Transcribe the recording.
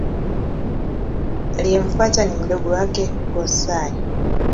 Aliyemfuata ni mdogo wake Go-Sai.